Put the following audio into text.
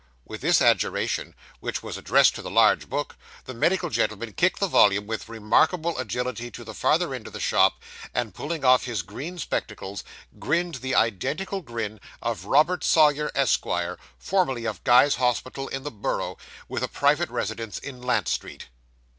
With this adjuration, which was addressed to the large book, the medical gentleman kicked the volume with remarkable agility to the farther end of the shop, and, pulling off his green spectacles, grinned the identical grin of Robert Sawyer, Esquire, formerly of Guy's Hospital in the Borough, with a private residence in Lant Street.